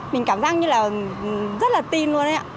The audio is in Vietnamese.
mình cảm giác như là rất là tin luôn đấy ạ